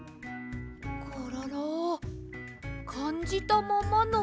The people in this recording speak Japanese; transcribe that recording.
コロロかんじたままのリンゴ。